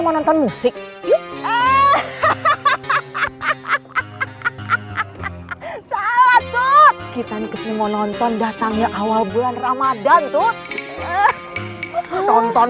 mau nonton musik hahaha salah tuh kita kesini nonton datangnya awal bulan ramadan tuh nonton